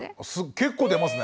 結構出ますね。